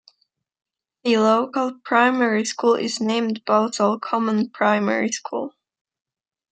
The local primary school is named Balsall Common Primary School.